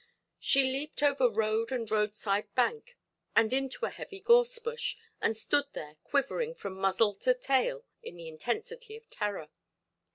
She leaped over road and roadside bank, and into a heavy gorse–bush, and stood there quivering from muzzle to tail in the intensity of terror.